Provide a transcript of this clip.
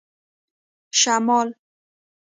شمال